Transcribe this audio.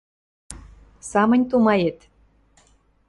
— Самынь тумает...